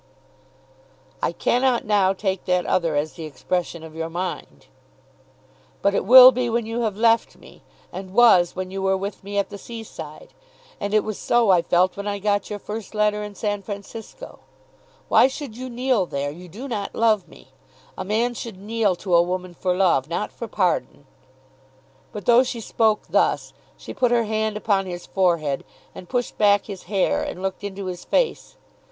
"I cannot now take that other as the expression of your mind." "But it will be when you have left me; and was when you were with me at the sea side. And it was so I felt when I got your first letter in San Francisco. Why should you kneel there? You do not love me. A man should kneel to a woman for love, not for pardon." But though she spoke thus, she put her hand upon his forehead, and pushed back his hair, and looked into his face.